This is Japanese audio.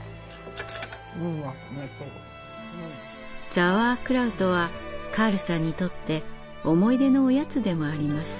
ザワークラウトはカールさんにとって思い出のおやつでもあります。